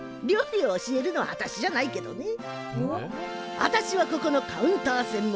あたしはここのカウンター専門。